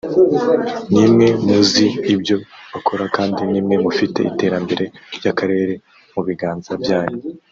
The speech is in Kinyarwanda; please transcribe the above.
nimwe muzi ibyo bakora kandi nimwe mufite iterambere ry’akarere mu biganza byanyu